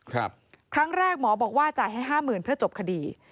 ครั้งแรกหมอบอกว่าจ่ายให้ห้าหมื่นเพื่อจบคดี